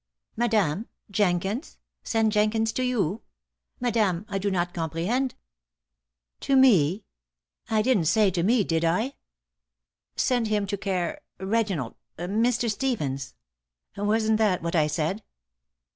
"Madame! Jenkins? Send Jenkins to you? Madame, I do not comprehend." "To me? I didn't say to me, did I? Send him to Car Reginald Mr. Stevens! Wasn't that what I said?